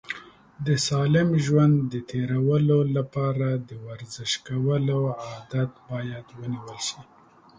د سالم ژوند د تېرولو لپاره د ورزش کولو عادت باید ونیول شي.